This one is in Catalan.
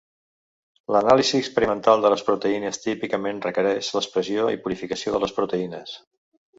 L'anàlisi experimental de les proteïnes típicament requereix l'expressió i purificació de les proteïnes.